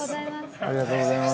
ありがとうございます。